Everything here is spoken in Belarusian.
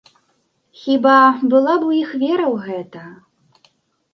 Хіба была б у іх вера ў гэта?